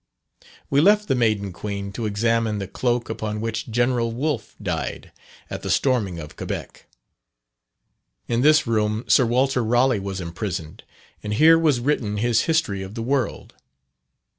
We left the Maiden Queen to examine the cloak upon which General Wolf died, at the storming of Quebec. In this room Sir Walter Raleigh was imprisoned, and here was written his "History of the World."